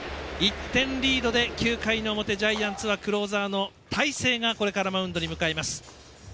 １点リードで９回の表ジャイアンツはクローザーの大勢がマウンドに向かいます。